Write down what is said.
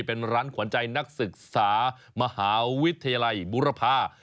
เป็นร้านขวัญใจนักศึกษามหาวิทยาลัยบุรพา